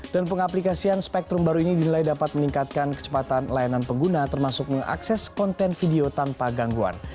dan pengaplikasian spektrum baru ini dinilai dapat meningkatkan kecepatan layanan pengguna termasuk mengakses konten video tanpa gangguan